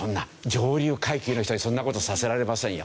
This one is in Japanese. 上流階級の人たちにそんな事させられませんよ。